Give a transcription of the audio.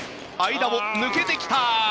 間を抜けてきた。